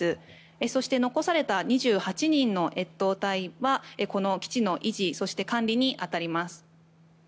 そして残された２８人の越冬隊はこの基地の維持そして管理に当たります。